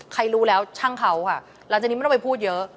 รู้แล้วช่างเขาค่ะหลังจากนี้ไม่ต้องไปพูดเยอะ